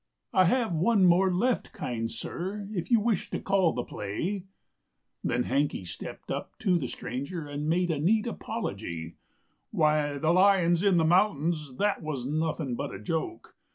"I have one more left, kind sir, if you wish to call the play." Then Hanke stepped up to the stranger and made a neat apology, "Why, the lions in the mountains, that was nothing but a joke.